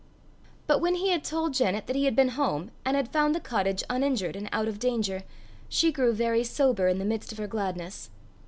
But when he told Janet that he had been home, and had found the cottage uninjured and out of danger, she grew very sober in the midst of her gladness.